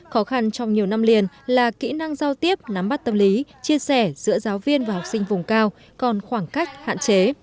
khó khăn trong nhiều năm liền là kỹ năng giao tiếp nắm bắt tâm lý chia sẻ giữa giáo viên và học sinh vùng cao còn khoảng cách hạn chế